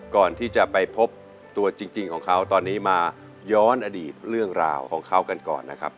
ก่อนที่จะไปพบตัวจริงของเขาตอนนี้มาย้อนอดีตเรื่องราวของเขากันก่อนนะครับ